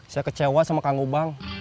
saya kecewa sama kang ubang